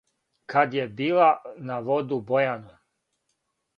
Кад је била на воду Бојану,